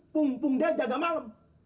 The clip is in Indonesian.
pungpung dia jaga malem